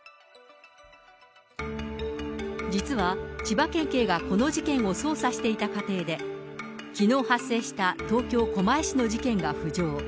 実は、千葉県警がこの事件を捜査していた過程で、きのう発生した東京・狛江市の事件が浮上。